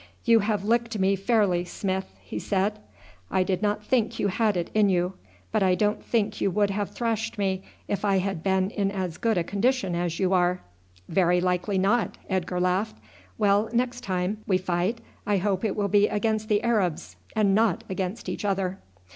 "You have licked me fairly, Smith," he said. "I did not think you had it in you; but I don't think you would have thrashed me if I had been in as good a condition as you are." "Very likely not," Edgar laughed. "Well, next time we fight I hope it will be against the Arabs, and not against each other."